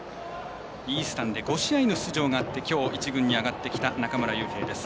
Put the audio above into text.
イースタンで５試合の出場があってきょう、１軍に上がってきた中村悠平。